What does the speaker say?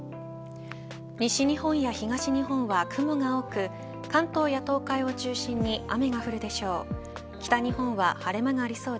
西日本や東日本は雲が多く関東や東海を中心に雨が降るでしょう。